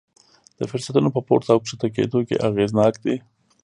د فرصتونو په پورته او ښکته کېدو کې اغېزناک دي.